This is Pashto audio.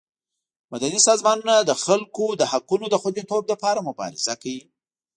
مدني سازمانونه د خلکو د حقونو د خوندیتوب لپاره مبارزه کوي.